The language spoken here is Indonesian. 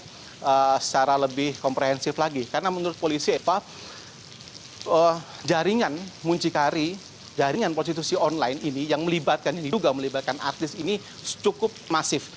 secara lebih komprehensif lagi karena menurut polisi eva jaringan muncikari jaringan prostitusi online ini yang melibatkan diduga melibatkan artis ini cukup masif